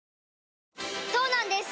そうなんです